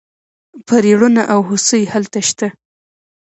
پریړونه او هوسۍ هلته شته.